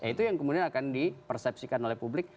itu yang kemudian akan dipersepsikan oleh publik